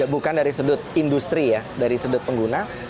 bukan dari sudut industri ya dari sudut pengguna